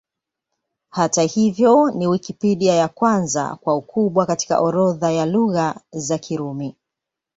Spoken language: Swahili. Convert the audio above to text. Hata hivyo, ni Wikipedia ya kwanza kwa ukubwa katika orodha ya Lugha za Kirumi.